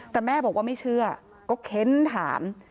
แต่แม่บอกว่าไม่เชื่อก็เค้นถาม